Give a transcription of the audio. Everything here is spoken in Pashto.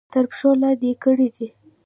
تر پښو لاندې کړي دي.